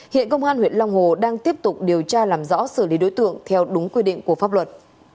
hiện công an huyện long hồ đang tiếp tục điều tra làm rõ xử lý đối tượng theo đúng quy định của pháp luật